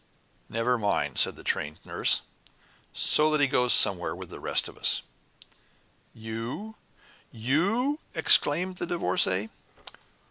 "Never mind," said the Trained Nurse, "so that he goes somewhere with the rest of us." "You YOU?" exclaimed the Divorcée.